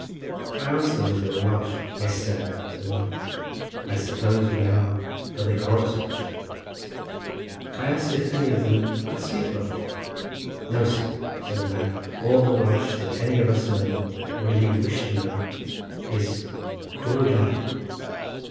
I asked them if they were Welsh. "Yes, sir," said one, "I suppose we are, for they call us Welsh." I asked if any of them could speak Welsh. "No, sir," said the man, "all the Welsh that any of us know, or indeed wish to know, is Cwrw da."